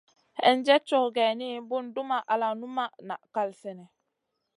Hinjèd cow geyni, bùn dumʼma al numʼma na kal sènèh.